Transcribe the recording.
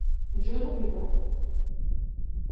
¿yo no vivo?